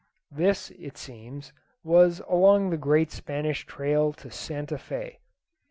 This, it seems, was along the great Spanish Trail to Santa Fé.